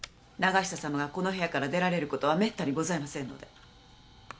永久様がこの部屋から出られる事はめったにございませんので。